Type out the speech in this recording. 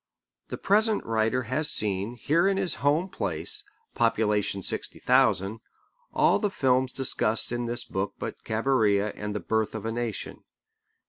The present writer has seen, here in his home place, population sixty thousand, all the films discussed in this book but Cabiria and The Birth of a Nation.